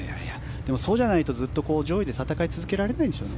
でもそうじゃないとずっと上位で戦い続けられないでしょうね。